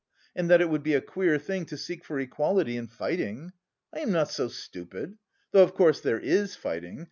and that it would be a queer thing to seek for equality in fighting. I am not so stupid... though, of course, there is fighting...